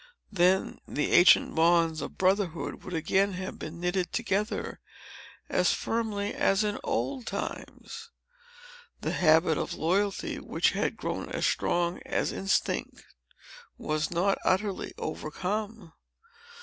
Then, the ancient bonds of brotherhood would again have been knit together, as firmly as in old times. The habit of loyalty, which had grown as strong as instinct, was not utterly overcome.